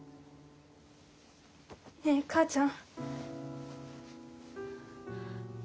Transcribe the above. ねえ母ちゃん。